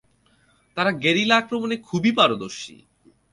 তারা গেরিলা আক্রমণে খুবই পারদর্শী।